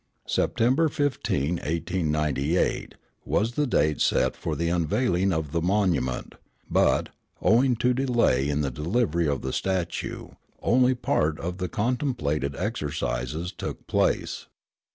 September 15, 1898, was the date set for the unveiling of the monument; but, owing to delay in the delivery of the statue, only a part of the contemplated exercises took place.